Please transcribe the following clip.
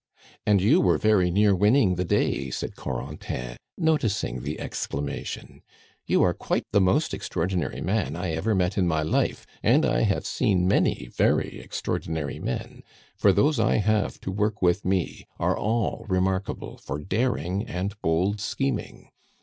"And you were very near winning the day!" said Corentin, noticing the exclamation. "You are quite the most extraordinary man I ever met in my life, and I have seen many very extraordinary men, for those I have to work with me are all remarkable for daring and bold scheming.